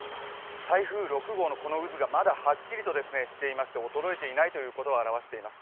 台風６号のこの渦がまだはっきりとしていまして衰えていないということを表しています。